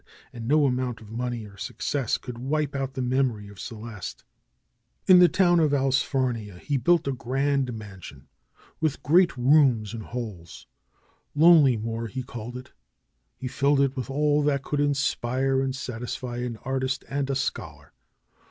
And no amount of money or success could wipe out the memory of Celeste. In the town of Allsfarnia he built a grand mansion with great rooms and halls. Lonelymoor he called it. He filled it with all that could inspire and satisfy an artist and a scholar.